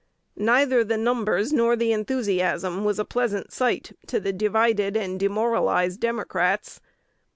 Neither the numbers nor the enthusiasm was a pleasant sight to the divided and demoralized Democrats.